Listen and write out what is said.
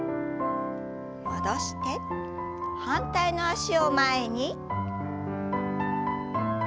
戻して反対の脚を前に。